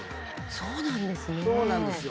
そうなんですよ。